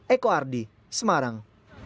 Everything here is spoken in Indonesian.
eko ardi semarang